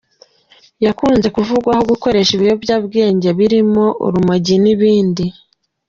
Yakunze kuvugwaho gukoresha ibiyobyabwenge birimo urumogi n’ibindi.